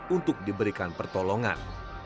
untuk diberikan pertolongan